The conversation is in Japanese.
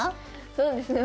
そうですね